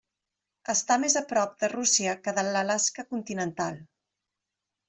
Està més a prop de Rússia que de l'Alaska continental.